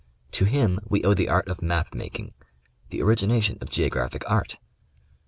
To him we owe the art of map making, the origina tion of Geographic Art.